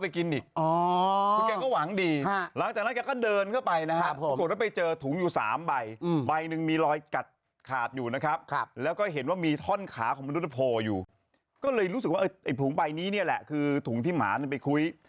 ก็เลยรู้สึกว่าอันถุงใบนี้แหละคือถุงที่หมาไปคุย